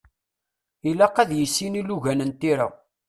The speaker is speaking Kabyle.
Ilaq ad yissin ilugan n tira.